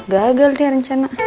gagal dia rencana